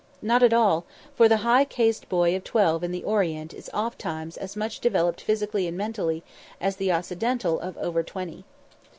Not at all; for the high caste boy of twelve in the Orient is oft times as much developed physically and mentally as the Occidental of over twenty.